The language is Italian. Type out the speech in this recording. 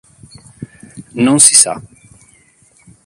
Non si sa.